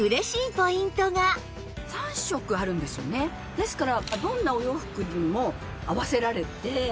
ですから。